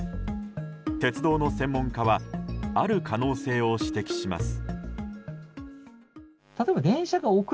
鉄道の専門家はある可能性を指摘します。